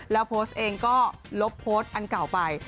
แล้วโพสต์เองก็ลบโพสต์อันเก่าไป